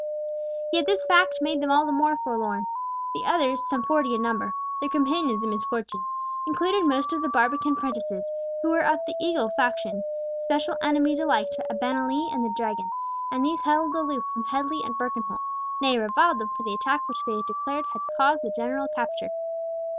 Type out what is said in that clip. Yet this fact made them all the more forlorn. The others, some forty in number, their companions in misfortune, included most of the Barbican prentices, who were of the Eagle faction, special enemies alike to Abenali and to the Dragon, and these held aloof from Headley and Birkenholt, nay, reviled them for the attack which they declared had caused the general capture.